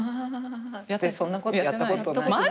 そんなことやったことない。